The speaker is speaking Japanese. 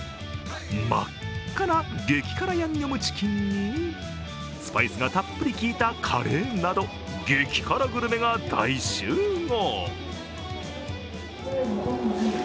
真っ赤な激辛ヤンニョムチキンにスパイスがたっぷりきいたカレーなど激辛グルメが大集合。